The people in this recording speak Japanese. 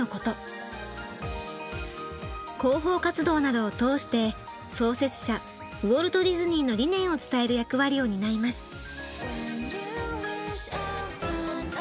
広報活動などを通して創設者ウォルト・ディズニーの理念を伝える役割を担います。